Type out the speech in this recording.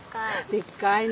でっかいね。